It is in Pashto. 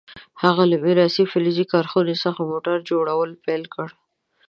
هغه له میراثي فلزي کارخونې څخه موټر جوړول پیل کړل.